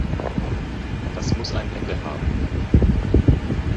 Das muss ein Ende haben.